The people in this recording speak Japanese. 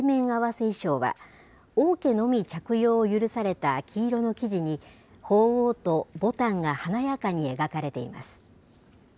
袷衣装は、王家のみ着用を許された黄色の生地に、鳳凰と牡丹が華やかに描かれています。